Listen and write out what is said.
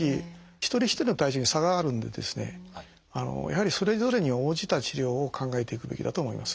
一人一人の体調に差があるんでやはりそれぞれに応じた治療を考えていくべきだと思います。